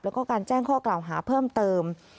แล้วก็การแจ้งข้อกล่าวหาเพิ่มเติม